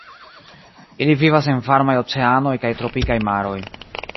Ili vivas en varmaj oceanoj kaj tropikaj maroj.